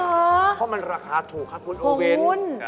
อ๋อเหรอข้อมันราคาถูกครับคุณโอเว่นผงวุ้น